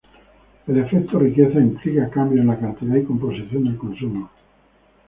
El efecto riqueza implica cambios en la cantidad y composición del consumo.